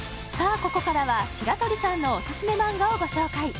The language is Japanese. ここからは白鳥さんのおすすめ漫画をご紹介